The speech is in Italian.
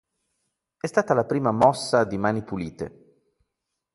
È stata la prima "mossa" di Mani pulite.